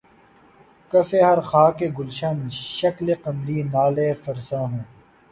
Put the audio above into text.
کفِ ہر خاکِ گلشن‘ شکلِ قمری‘ نالہ فرسا ہو